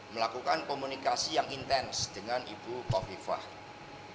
melakukan komunikasi yang intens dengan ibu kofifah